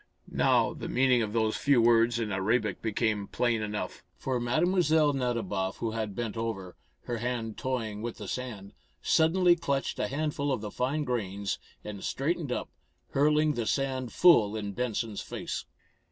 Now the meaning of those few words in Arabic became plain enough. For Mlle. Nadiboff, who had bent over, her hand toying with the sand, suddenly clutched a handful of the fine grains and straightened up, hurling the sand full in Benson's face.